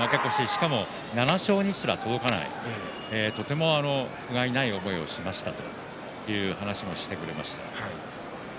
しかも７勝にすら届かないとてもふがいない思いをしましたという話もしてくれました。